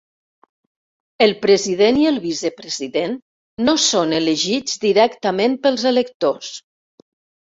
El president i el vicepresident no són elegits directament pels electors.